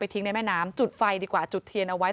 ทิ้งในแม่น้ำจุดไฟดีกว่าจุดเทียนเอาไว้